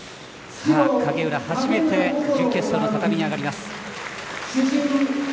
影浦、初めて準決勝の畳に上がります。